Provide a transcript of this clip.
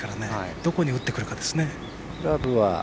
どこに打ってくるかですね。